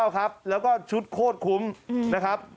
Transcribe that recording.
ครับแล้วก็ชุดโคตรคุ้มนะครับ